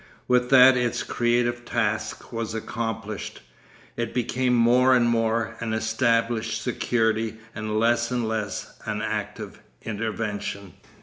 With that its creative task was accomplished. It became more and more an established security and less and less an active intervention.